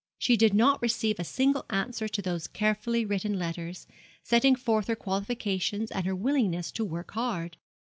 She did not receive a single answer to those carefully written letters, setting forth her qualifications and her willingness to work hard.